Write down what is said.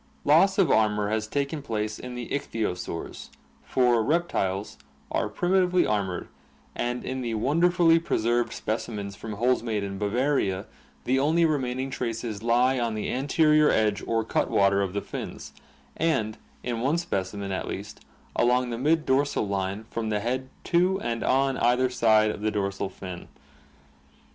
Loss of armor has taken place in the icbthyosaurs, for reptiles are primitively armored and in the wonderfully preserved specimens from Holzmaden, Bavaria, the only remaining traces he on the anterior edge or cutwater of the AQUATIC ADAPTATION 331 fins, and, in one specimen at least, along the mid dorsal line from the head to and on either side of the dorsal fin.